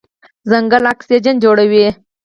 ځنګل اکسیجن جوړوي.